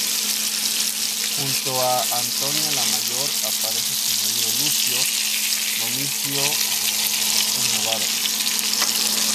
Junto a Antonia la Mayor aparece su marido, Lucio Domicio Enobarbo.